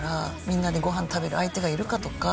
みんなにご飯食べる相手がいるかとか。